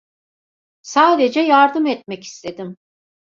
Sadece yardım etmek istedim.